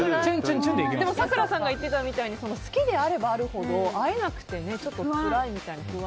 でも咲楽さん言ってたみたいに好きであればあるほど会えなくてつらいみたいな不安は。